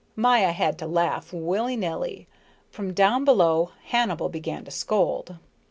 Maya had to laugh, willy nilly. From down below Hannibal began to scold.